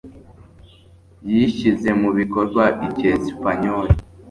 Yishyize mu bikorwa icyesipanyoli.